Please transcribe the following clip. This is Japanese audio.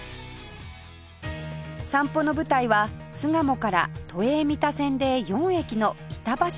散歩の舞台は巣鴨から都営三田線で４駅の板橋本町